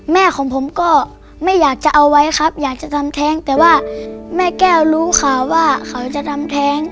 แม่ของผมก็ไม่อยากจะเอาไว้ครับอยากจะทำแท้งแต่ว่าแม่แก้วรู้ข่าวว่าเขาจะทำแท้ง